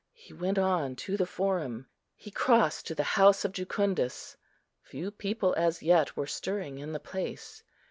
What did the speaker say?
He went on to the Forum; he crossed to the house of Jucundus; few people as yet were stirring in the place.